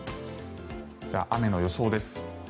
では、雨の予想です。